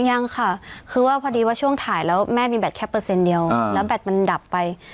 ยังค่ะคือว่าพอดีว่าช่วงถ่ายแล้วแม่มีแบตแค่เปอร์เซ็นต์เดียวแล้วแบตมันดับไป